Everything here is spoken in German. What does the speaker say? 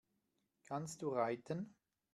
Kannst du reiten?